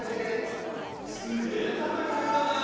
すげえ戦いだな。